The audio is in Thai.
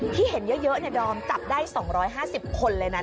ที่เห็นเยอะดอมจับได้๒๕๐คนเลยนะ